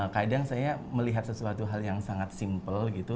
kadang saya melihat sesuatu hal yang sangat simple gitu